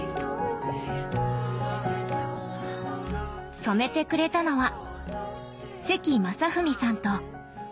染めてくれたのは関将史さんと関裕子さん。